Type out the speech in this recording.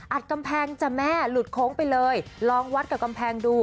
กำแพงจ้ะแม่หลุดโค้งไปเลยลองวัดกับกำแพงดู